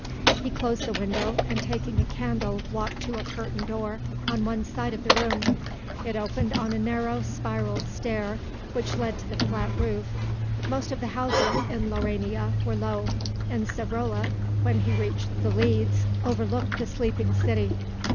He closed the window and taking a candle walked to a curtained door on one side of the room; it opened on a narrow, spiral stair which led to the flat roof. Most of the houses in Laurania were low, and Savrola when he reached the leads overlooked the sleeping city.